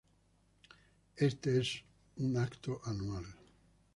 Este es un evento anual.